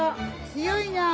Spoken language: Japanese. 強いなあ。